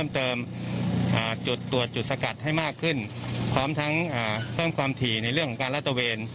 ทั้งเพิ่มความถี่ในเรื่องของการละตระเวน